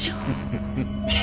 フフフ。